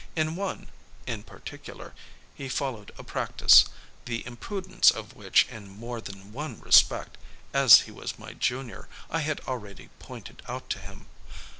In one, in particular, he followed a practice, the imprudence of which, in more than one respect, as he was much my junior, I had already pointed out to him.